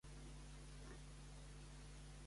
Qui va basar-se en Ananke per escriure un llibre?